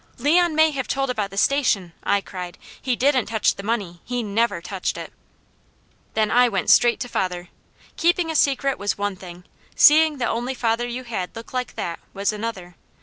"Leon may have told about the Station!" I cried. "He didn't touch the money. He never touched it!" Then I went straight to father. Keeping a secret was one thing; seeing the only father you had look like that, was another.